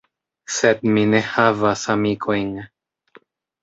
Sed mi ne havas amikojn.